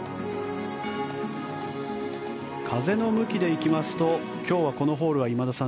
風の向きで行きますと今日はこのホールは今田さん